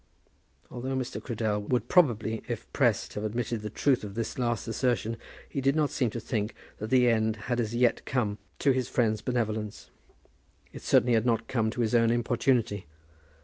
Although Mr. Cradell would probably, if pressed, have admitted the truth of this last assertion, he did not seem to think that the end had as yet come to his friend's benevolence. It certainly had not come to his own importunity.